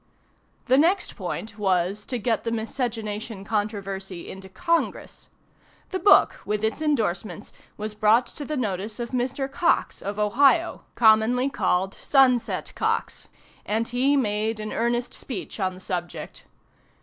The next point was, to get the miscegenation controversy into Congress. The book, with its indorsements, was brought to the notice of Mr. Cox, of Ohio (commonly called "Sunset Cox;") and he made an earnest speech on the subject.